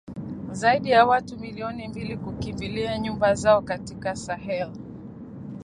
zaidi ya watu milioni mbili kukimbia nyumba zao katika Sahel